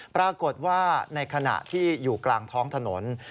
ปรากฏว่าในขณะที่อยู่กลางท้องถนน